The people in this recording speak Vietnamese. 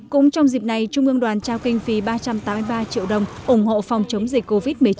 cũng trong dịp này trung ương đoàn trao kinh phí ba trăm tám mươi ba triệu đồng ủng hộ phòng chống dịch covid một mươi chín